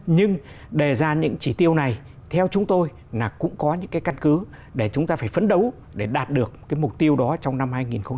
nhưng đề ra những chỉ tiêu này theo chúng tôi là cũng có những căn cứ để chúng ta phải phấn đấu để đạt được mục tiêu đó trong năm hai nghìn một mươi chín